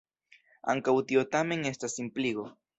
Ankaŭ tio tamen estas simpligo.